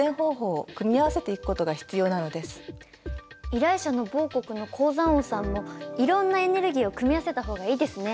依頼者の某国の鉱山王さんもいろんなエネルギーを組み合わせたほうがいいですね。